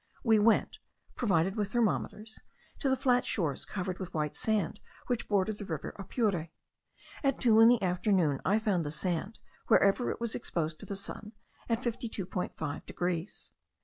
We went, provided with thermometers, to the flat shores covered with white sand which border the river Apure. At two in the afternoon I found the sand, wherever it was exposed to the sun, at 52.5 degrees.